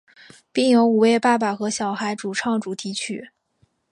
并由五位爸爸和小孩主唱主题曲。